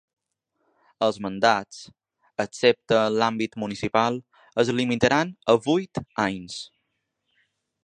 Els mandats, excepte en l’àmbit municipal, es limitaran a vuit anys.